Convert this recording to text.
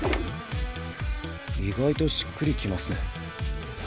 意外としっくりきますね。